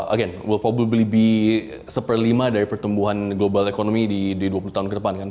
again will probably be satu lima dari pertumbuhan global economy di dua puluh tahun ke depan